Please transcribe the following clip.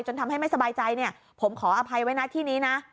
ทำให้ไม่สบายใจเนี่ยผมขออภัยไว้นะที่นี้นะ